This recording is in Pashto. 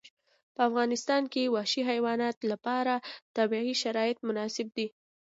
په افغانستان کې وحشي حیواناتو لپاره طبیعي شرایط مناسب دي.